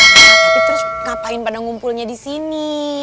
tapi terus ngapain pada ngumpulnya di sini